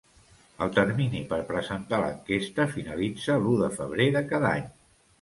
El termini per presentar l'enquesta finalitza l'u de febrer de cada any.